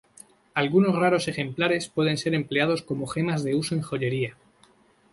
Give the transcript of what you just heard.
Algunos raros ejemplares pueden ser empleados como gema de uso en joyería.